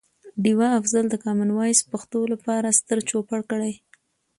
ډیوه افضل د کمان وایس پښتو لپاره ستر چوپړ کړي.